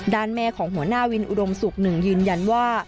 แม่ของหัวหน้าวินอุดมศุกร์หนึ่งยืนยันว่า